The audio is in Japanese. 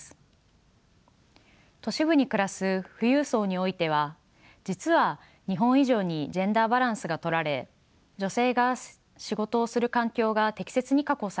都市部に暮らす富裕層においては実は日本以上にジェンダーバランスがとられ女性が仕事をする環境が適切に確保されています。